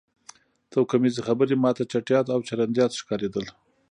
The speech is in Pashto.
توکمیزې خبرې ما ته چټیات او چرندیات ښکارېدل